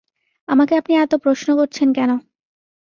আমাকে আপনি এত প্রশ্ন করছেন কেন?